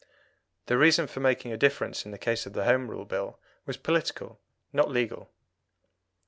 The reason for making a difference in the case of the Home Rule Bill was political, not legal.